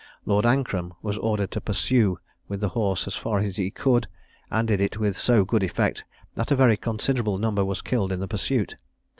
Lord Ancram was ordered to pursue with the horse as far as he could; and did it with so good effect that a very considerable number was killed in the pursuit.